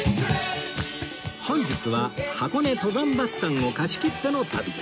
本日は箱根登山バスさんを貸し切っての旅